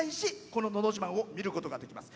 この「のど自慢」を見ることができます。